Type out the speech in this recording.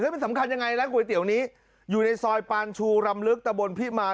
มันสำคัญยังไงร้านก๋วยเตี๋ยวนี้อยู่ในซอยปานชูรำลึกตะบนพิมาร